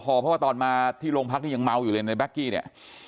เพราะว่าตอนมาที่โรงพักนี่ยังเมาอยู่เลยในแก๊กกี้เนี่ย